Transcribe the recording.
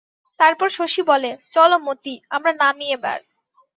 তারপর শশী বলে, চলো মতি, আমরা নামি এবার।